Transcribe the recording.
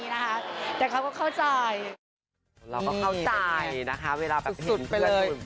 เราก็เข้าใจนะคะเวลาแบบเห็นเพื่อน